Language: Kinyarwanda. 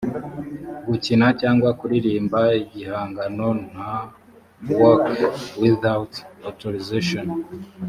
gukina cyangwa kuririmba igihangano nta work without authorization